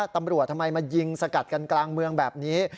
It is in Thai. ทำไมมายิงสกัดกันกลางเมืองแบบนี้